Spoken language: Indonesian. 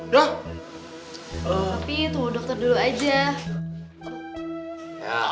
dok tapi tunggu dokter dulu aja